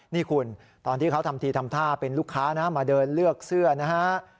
นี่คุณตอนที่เขาทำทีทำท่าเป็นลูกค้านะมาเดินเลือกเสื้อนะฮะ